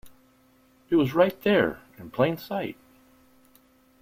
It was right there, in plain sight!